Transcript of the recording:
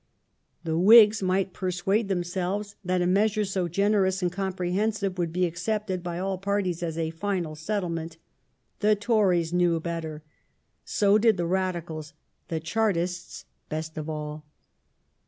The Whigs might persuade themselves that a measure so generous and comprehensive would be accepted by all parties as a final settlement The Tories knew better ; so did the Radicals ; the Chartists best of all.